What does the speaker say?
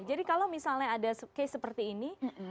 jadi kalau misalnya ada case seperti ini